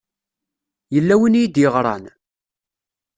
Yella win i yi-d-yeɣṛan?